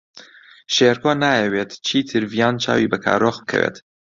شێرکۆ نایەوێت چیتر ڤیان چاوی بە کارۆخ بکەوێت.